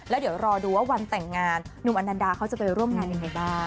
แล้วเดี๋ยวรอดูว่าวันแต่งงานหนุ่มอนันดาเขาจะไปร่วมงานยังไงบ้าง